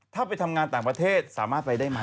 ถ้าไปทำงานต่างประเทศสามารถไปได้ไหม